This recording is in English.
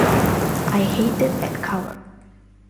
I hated that cover.